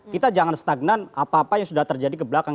kita jangan stagnan apa apa yang sudah terjadi ke belakang